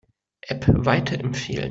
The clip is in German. App weiterempfehlen.